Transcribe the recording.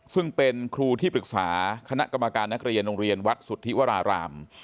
ซึ่งเป็นครูที่ปรึกษาคณะกรรมการนักเรียนโรงเรียนวัดสุทธิวราราม